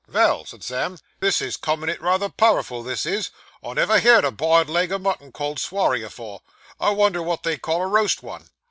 'Vell,' said Sam, 'this is comin' it rayther powerful, this is. I never heerd a biled leg o' mutton called a swarry afore. I wonder wot they'd call a roast one.